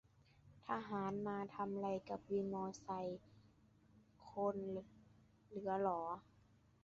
ทหารมาทำไรกับวินมอไซ ? คนเหลือหรอ